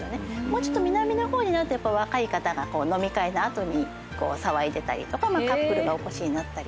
もうちょっと南の方になるとやっぱ若い方が飲み会の後に騒いでたりとかカップルがお越しになったり。